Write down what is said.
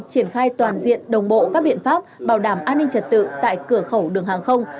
triển khai toàn diện đồng bộ các biện pháp bảo đảm an ninh trật tự tại cửa khẩu đường hàng không